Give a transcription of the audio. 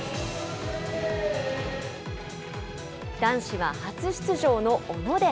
男子は初出場の小野寺。